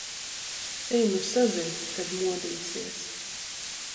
Ej nu sazin, kad modīsies.